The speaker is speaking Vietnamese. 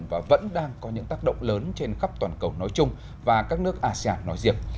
và vẫn đang có những tác động lớn trên khắp toàn cầu nói chung và các nước asean nói riêng